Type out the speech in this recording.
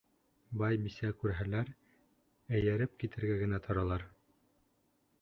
Бай бисә күрһәләр, эйәреп китергә генә торалар.